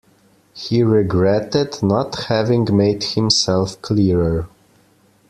He regretted not having made himself clearer.